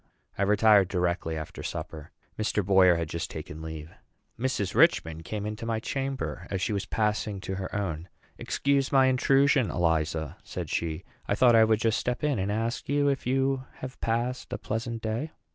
I retired directly after supper. Mr. Boyer had just taken leave. Mrs. Richman came into my chamber as she was passing to her own. "Excuse my intrusion, Eliza," said she. "I thought I would just step in and ask you if you have passed a pleasant day."